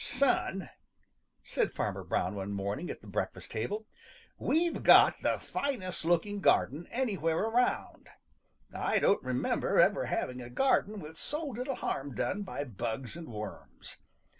= |SON," said Fanner Brown one morning at the breakfast table, "we've got the finest looking garden any where around. I don't remember ever having a garden with so little harm done by bugs and worms.